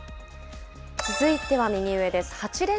続いては右上です。